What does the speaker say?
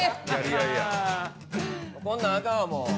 こんなんあかんわ、もう。